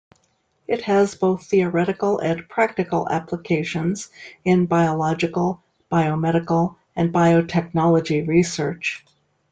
It has both theoretical and practical applications in biological, biomedical and biotechnology research.